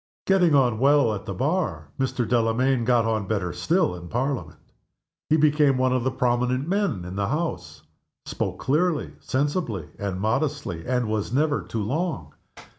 Getting on well at the Bar, Mr. Delamayn got on better still in Parliament. He became one of the prominent men in the House. Spoke clearly, sensibly, and modestly, and was never too long.